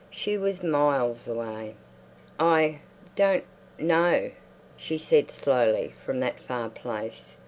She was miles away. "I—don't—know," she said slowly, from that far place.